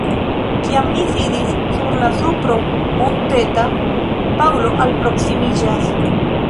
Kiam mi sidis sur la supro monteta, Paŭlo alproksimiĝas.